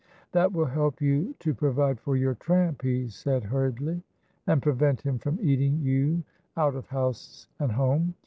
"That will help you to provide for your tramp," he said, hurriedly, "and prevent him from eating you out of house and home.